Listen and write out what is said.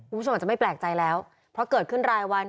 อืมมันจะไม่แปลกใจแล้วเพราะเกิดขึ้นรายวัน